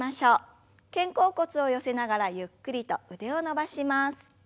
肩甲骨を寄せながらゆっくりと腕を伸ばします。